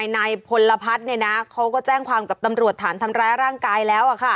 นายพลพัฒน์เขาก็แจ้งความกับตำรวจฐานทำร้ายร่างกายแล้ว